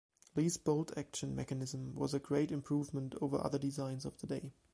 Lee's bolt action mechanism was a great improvement over other designs of the day.